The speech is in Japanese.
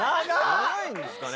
長いんですかね？